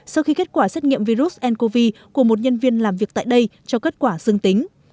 sau khi kết quả xét nghiệm virus ncov của một nhân viên làm việc tại đây cho kết quả dương tính